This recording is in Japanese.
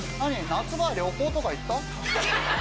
夏場は旅行とか行った？